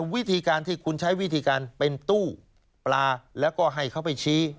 วิธีการที่คุณใช้วิธีการเป็นตู้ปลาแล้วก็ให้เขาไปชี้